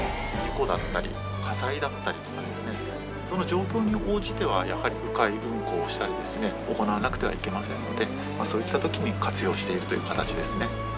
事故だったり、火災だったりですね、その状況に応じては、やはりう回運行をしたりですね、行わなくてはいけませんので、そういったときに活用しているという形ですね。